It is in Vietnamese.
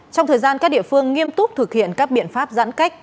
trong thời gian các địa phương nghiêm túc thực hiện các biện pháp giãn cách